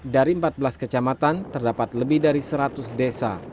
dari empat belas kecamatan terdapat lebih dari seratus desa